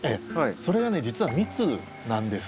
それがね実は蜜なんです。